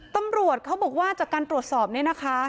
ตำรวจเขาบอกว่าจากการตรวจสอบเนี่ยนะคะ